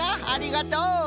ありがとう！